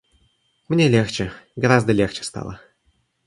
Мне легче, гораздо легче стало.